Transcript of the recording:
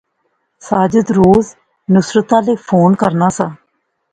ساجد روز نصرتا لے فون کرنا سا